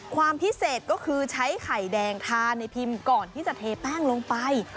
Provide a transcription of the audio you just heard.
ความพิเศษก็คือใช้ไข่แดงทาในพิมพ์ก่อนที่จะเทแป้งลงไป